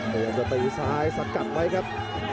พยายามจะตีซ้ายสกัดไว้ครับ